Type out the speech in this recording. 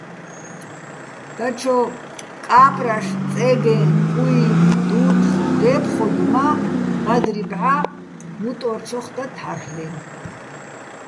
დაჩო კა́პრაშ-წე́გეჼ-კუიჼ დუ́ფხო̆ დე́ფხოდო̆ მა́, ბადრი ბჵა მუტო́რჩოხ და თარლ'ენო̆.